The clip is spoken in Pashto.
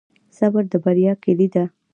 صبر د بریا کیلي ده